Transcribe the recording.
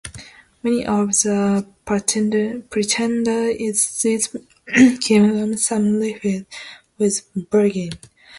Many of the pretenders in these kingdoms sought refuge with Birger.